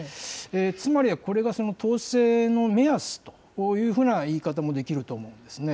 つまり、これが党勢の目安というふうな言い方もできると思うんですね。